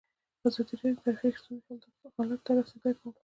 ازادي راډیو د ټرافیکي ستونزې حالت ته رسېدلي پام کړی.